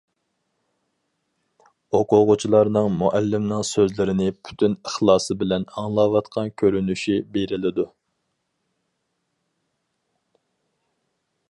ئوقۇغۇچىلارنىڭ مۇئەللىمنىڭ سۆزلىرىنى پۈتۈن ئىخلاسى بىلەن ئاڭلاۋاتقان كۆرۈنۈشى بېرىلىدۇ.